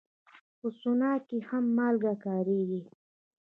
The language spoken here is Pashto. په سونا کې هم مالګه کارېږي.